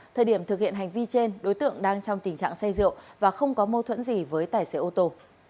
thời điểm thực hiện hành vi trên đối tượng đang trong tình trạng say rượu và không có mâu thuẫn gì với tài xế ô tô